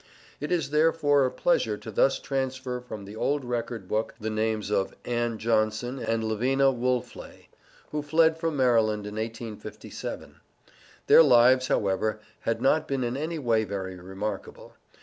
It is, therefore, a pleasure to thus transfer from the old Record book the names of Ann Johnson and Lavina Woolfley, who fled from Maryland in 1857. Their lives, however, had not been in any way very remarkable.